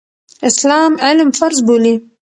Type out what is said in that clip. اسلام علم فرض بولي.